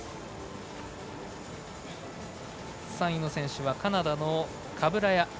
３位の選手はカナダのカブラヤ。